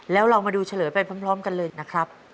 แล้วเรามาดูเฉลยไปพร้อมกันเลยนะครับ